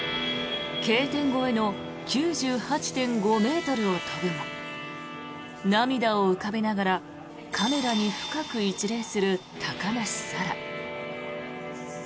Ｋ点越えの９８．５ｍを飛ぶも涙を浮かべながらカメラに深く一礼する高梨沙羅。